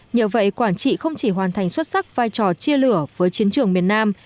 nhờ vậy quảng trị không chỉ hoàn thành xuất sắc vai trò chia lửa với chiến trường miền nam